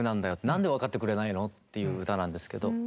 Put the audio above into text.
なんで分かってくれないの？っていう歌なんですけど。